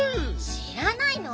しらないの？